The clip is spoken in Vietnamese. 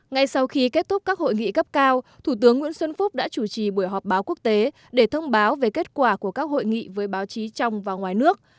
ngay sau khi kết thúc các hội nghị cấp cao thủ tướng nguyễn xuân phúc đã chủ trì buổi họp báo quốc tế để thông báo về kết quả của các hội nghị với báo chí trong và ngoài nước